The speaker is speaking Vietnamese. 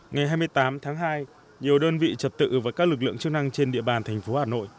ngày hai mươi tám tháng hai nhiều đơn vị trật tự và các lực lượng chức năng trên địa bàn thành phố hà nội